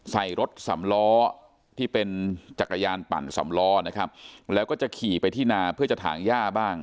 ใส่รถสำล้อที่เป็นจักรยานปั่นสำล้อนะครับแล้วก็จะขี่ไปที่นาเพื่อจะถางย่าบ้าง